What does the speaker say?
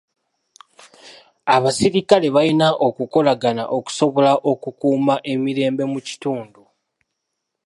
Abasirikale balina okukolagana okusobola okukuuma emirembe mu kitundu.